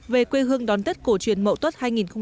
về quê hương đón tết cổ truyền mậu tuất hai nghìn một mươi tám